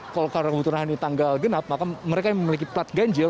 kalau karena kebetulan ini tanggal genap maka mereka yang memiliki plat ganjil